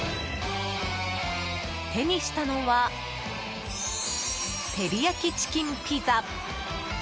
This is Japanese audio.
手にしたのは照り焼きチキンピザ。